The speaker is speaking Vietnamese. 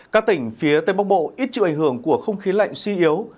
các tỉnh phía tây bắc bộ ít chịu ảnh hưởng của không khí lạnh suy yếu